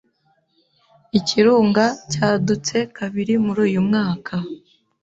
Ikirunga cyadutse kabiri muri uyu mwaka.